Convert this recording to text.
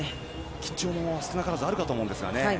緊張も少なからずあるかと思うんですけどね。